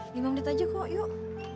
gimana menit aja kok yuk